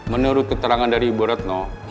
menurut keterangan dari bu ratno